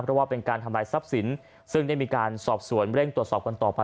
เพราะว่าเป็นการทำลายทรัพย์สินซึ่งได้มีการสอบสวนเร่งตรวจสอบกันต่อไป